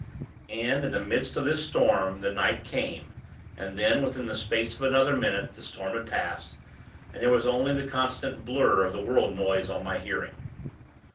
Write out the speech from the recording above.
And, in the midst of this storm, the night came; and then, within the space of another minute, the storm had passed, and there was only the constant 'blur' of the world noise on my hearing.